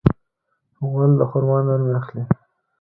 غول د خرما نرمي اخلي.